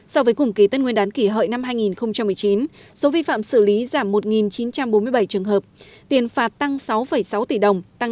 so với cùng kỳ tết nguyên đán kỷ hợi năm hai nghìn một mươi chín số vi phạm xử lý giảm một chín trăm bốn mươi bảy trường hợp tiền phạt tăng sáu sáu tỷ đồng tăng sáu mươi